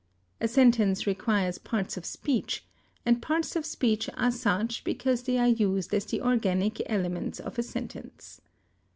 A sentence requires parts of speech, and parts of speech are such because they are used as the organic elements of a sentence.